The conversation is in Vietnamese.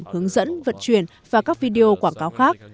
hướng dẫn vận chuyển và các video quảng cáo khác